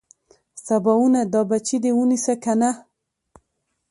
سباوونه دا بچي دې ونيسه کنه.